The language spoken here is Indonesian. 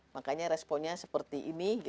makanya responnya seperti ini